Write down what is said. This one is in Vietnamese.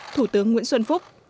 thủ tướng nguyễn xuân phúc